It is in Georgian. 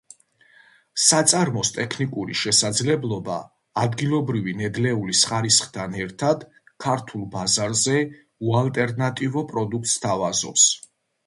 საწარმოს ტექნიკური შესაძლებლობა, ადგილობრივი ნედლეულის ხარისხთან ერთად, ქართულ ბაზარზე უალტერნატივო პროდუქტს სთავაზობს.